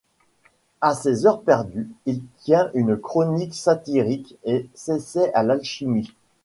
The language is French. À ses heures perdues, il tient une chronique satirique et s'essaie à l'alchimie.